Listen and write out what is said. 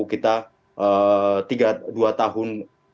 kita dua tahun